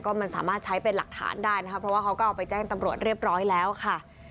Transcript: ก็มันสามารถใช้เป็นหลักฐานได้นะคะเพราะว่าเขาก็เอาไปแจ้งตำรวจเรียบร้อยแล้วค่ะ